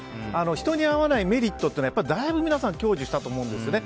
人に会わないメリットというのはやっぱりだいぶ皆さん享受したと思うんですよね。